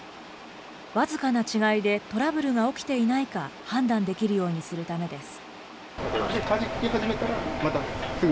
僅かな違いでトラブルが起きていないか、判断できるようにするためです。